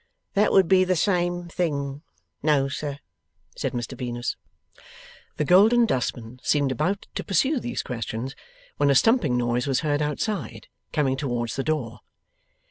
'That would be the same thing. No, sir,' said Mr Venus. The Golden Dustman seemed about to pursue these questions, when a stumping noise was heard outside, coming towards the door.